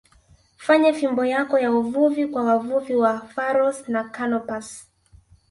fanya fimbo yako ya uvuvi kwa wavuvi wa Pharos na Canopus